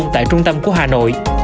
tại trung tâm của hà nội